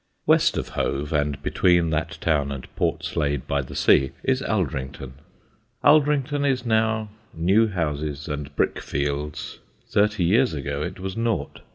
_] West of Hove, and between that town and Portslade by Sea, is Aldrington. Aldrington is now new houses and brickfields. Thirty years ago it was naught.